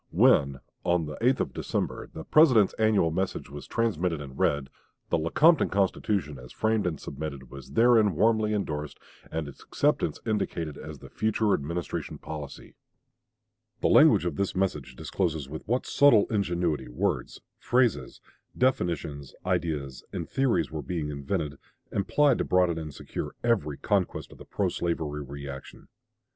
When, on the 8th of December, the President's annual message was transmitted and read, the Lecompton Constitution, as framed and submitted, was therein warmly indorsed and its acceptance indicated as the future Administration policy. Buchanan, Annual Message, December 8, 1857. The language of this message discloses with what subtle ingenuity words, phrases, definitions, ideas, and theories were being invented and plied to broaden and secure every conquest of the pro slavery reaction.